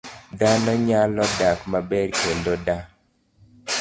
Dhano nyalo dak maber kendo da